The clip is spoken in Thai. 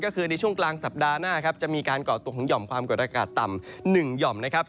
ก็คือในช่วงกลางสัปดาห์หน้าครับจะมีการก่อตัวของหย่อมความกดอากาศต่ำ๑หย่อมนะครับ